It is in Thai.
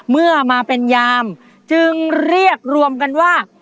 เมื่อมาเป็นยามจึงเรียกรวมกันว่า